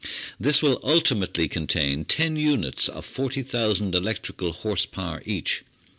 This will ultimately contain ten units of 40,000 electrical horse power each.